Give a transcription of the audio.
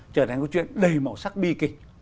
trở thành câu chuyện đầy màu sắc bi kịch